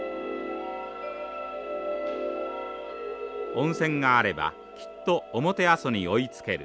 温泉があればきっと表阿蘇に追いつける。